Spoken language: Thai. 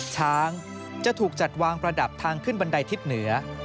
ช้างจะถูกจัดวางประดับทางขึ้นบันไดทิศเหนือ